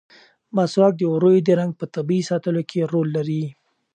مسواک د ووریو د رنګ په طبیعي ساتلو کې رول لري.